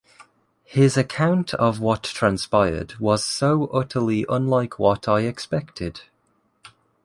His account of what transpired was so utterly unlike what I expected.